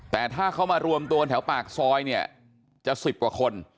แต่ถ้าเขามารวมตัวกันแถวปากซอยเนี่ยจะ๑๐กว่าคน